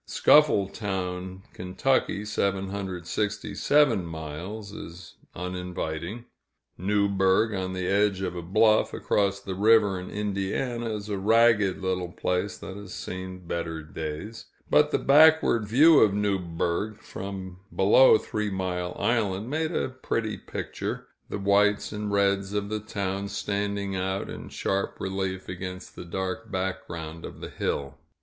Scuffletown, Ky. (767 miles), is uninviting. Newburgh, on the edge of a bluff, across the river in Indiana, is a ragged little place that has seen better days; but the backward view of Newburgh, from below Three Mile Island, made a pretty picture, the whites and reds of the town standing out in sharp relief against the dark background of the hill.